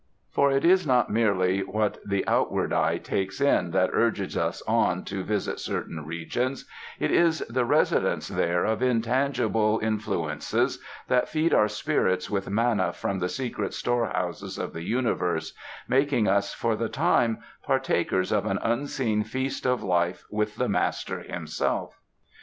P^or it is not merely what the out ward eye takes in that urges us on to visit certain regions — it is the residence there of intangible in 5 UNDER THE SKY IN CALIFORNIA fluences that feed our spirits with manna from the secret storehouses of the universe, making us for the time partakers of an unseen feast of life with the Master Himself.